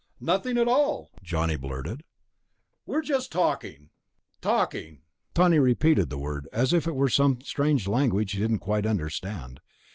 "Nothing at all," Johnny blurted. "We were just talking." "Talking." Tawney repeated the word as if it were some strange language he didn't quite understand.